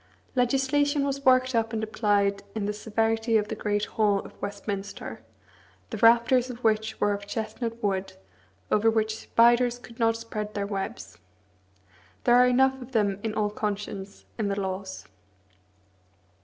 Legislation was worked up and applied in the severity of the great hall of Westminster, the rafters of which were of chestnut wood, over which spiders could not spread their webs. There are enough of them in all conscience in the laws.